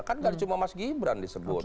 kan gak cuma mas gibran disebut